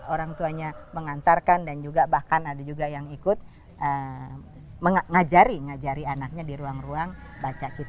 orang tuanya mengantarkan dan juga bahkan ada juga yang ikut mengajari ngajari anaknya di ruang ruang baca kita